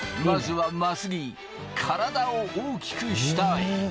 まずは眞杉、「体を大きくしたい」。